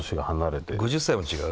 ５０歳も違う？